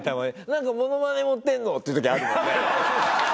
「なんかモノマネ持ってんの？」っていう時あるもんね。